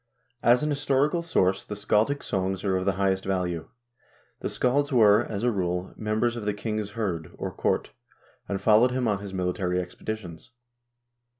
As an historical source the scaldic songs are of the highest value. The scalds were, as a rule, members of the king's hinl, or court, and followed him on his military expeditions.